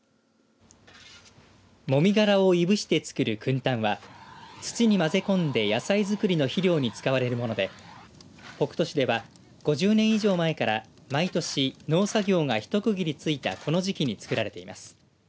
もみ殻をいぶしてつくるくん炭は土にまぜ込んで野菜づくりの肥料に使われるもので北斗市では５０年以上前から毎年農作業が一区切りついたこの時期に作られています。